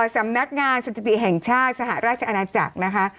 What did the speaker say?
สำนักงานสถิติแห่งชาติสหราชอาณาจักรนะคะ